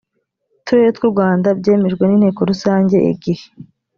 turere tw u rwanda byemejwe n inteko rusange igihe